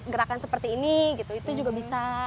gerakan seperti ini gitu itu juga bisa